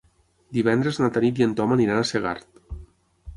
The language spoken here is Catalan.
Divendres na Tanit i en Ton aniran a Segart.